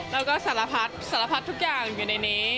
แล้วก็สารพัดสารพัดทุกอย่างอยู่ในนี้